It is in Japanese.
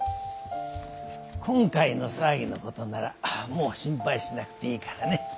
今回の騒ぎのことならもう心配しなくていいからね。